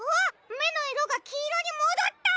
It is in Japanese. めのいろがきいろにもどった！